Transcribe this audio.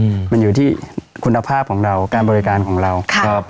อืมมันอยู่ที่คุณภาพของเราการบริการของเราครับ